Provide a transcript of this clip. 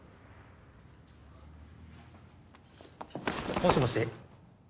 もしもし？